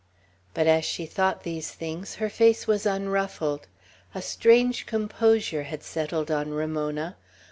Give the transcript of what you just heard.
But as she thought these things, her face was unruffled. A strange composure had settled on Ramona.